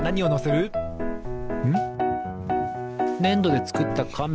ねんどでつくったカメ？